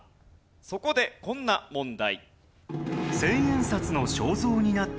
そこでこんな問題。